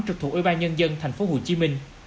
trực thuộc ubnd tp hcm